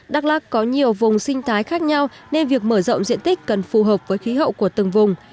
đắk lắc có nhiều vùng sinh thái khác nhau nên việc mở rộng diện tích cần phù hợp với khí hậu của từng vùng